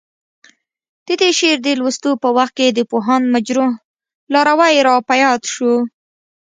د دې شعر د لوستو په وخت د پوهاند مجروح لاروی راپه یاد شو.